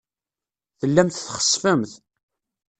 Tellamt txessfemt.